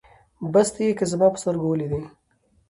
بس ته يې که زما په سترګو وليدې